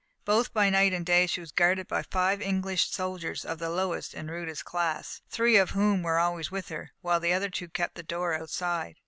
Both by night and day she was guarded by five English soldiers of the lowest and rudest class, three of whom were always with her, while the other two kept the door outside.